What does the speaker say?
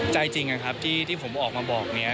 ใจจริงนะครับที่ผมออกมาบอกนี้